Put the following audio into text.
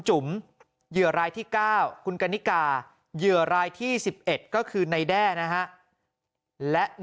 จุ๋มเหยื่อรายที่๙คุณกันนิกาเหยื่อรายที่๑๑ก็คือในแด้นะฮะ